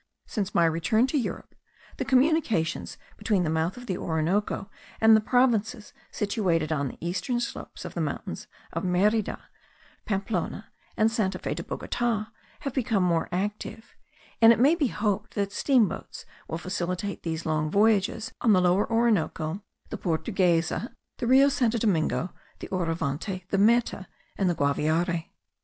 Since my return to Europe the communications between the mouth of the Orinoco and the provinces situated on the eastern slope of the mountains of Merida, Pamplona, and Santa Fe de Bogota, have become more active; and it may be hoped that steamboats will facilitate these long voyages on the Lower Orinoco, the Portuguesa, the Rio Santo Domingo, the Orivante, the Meta, and the Guaviare.